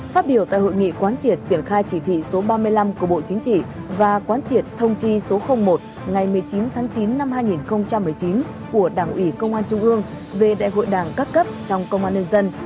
phát biểu tại hội nghị quán triệt triển khai chỉ thị số ba mươi năm của bộ chính trị và quán triệt thông chi số một ngày một mươi chín tháng chín năm hai nghìn một mươi chín của đảng ủy công an trung ương về đại hội đảng các cấp trong công an nhân dân